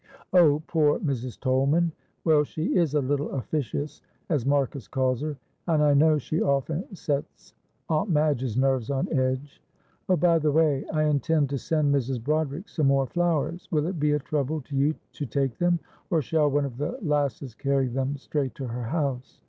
"Oh, poor Mrs. Tolman; well, she is a little officious, as Marcus calls her, and I know she often sets Aunt Madge's nerves on edge." "Oh, by the way, I intend to send Mrs. Broderick some more flowers; will it be a trouble to you to take them, or shall one of the lasses carry them straight to her house?"